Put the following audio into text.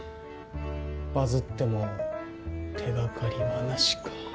バズっても手がかりは無しか。